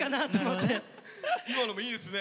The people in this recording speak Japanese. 今のもいいですね。